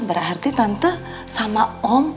berarti tante sama om